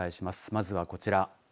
まずはこちら。